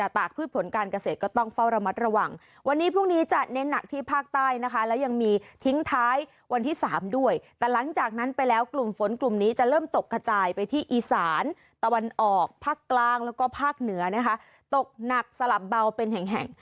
ตะวันออกภาคกลางแล้วก็ภาคเหนือนะคะตกหนักสลับเบาเป็นแห่ง